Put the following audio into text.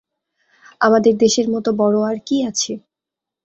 আমাদের দেশের মতো বড়ো আর কী আছে!